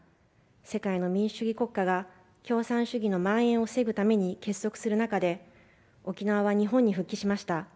世界の民主主義国家が共産主義のまん延を防ぐために結束する中で沖縄は日本に復帰しました。